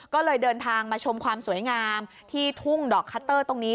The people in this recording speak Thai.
ก็เลยเดินทางมาชมความสวยงามที่ทุ่งดอกคัตเตอร์ตรงนี้